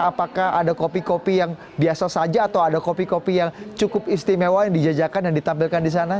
apakah ada kopi kopi yang biasa saja atau ada kopi kopi yang cukup istimewa yang dijajakan dan ditampilkan di sana